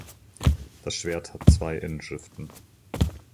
Das Schwert hat zwei Inschriften.